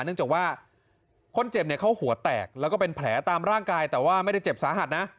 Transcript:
เนื่องจากว่าคนเจ็บเนี่ยเขาหัวแตกแล้วก็เป็นแผลตามร่างกายแต่ว่าไม่ได้เจ็บสาหัสนะ